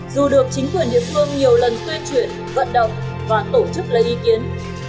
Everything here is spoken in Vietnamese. dù được chính quyền địa phương nhiều lần tuyên truyền vận động và tổ chức lấy ý kiến